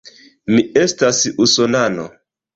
Mi estas usonano.